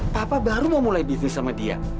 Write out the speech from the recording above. papa baru mau mulai bisnis sama dia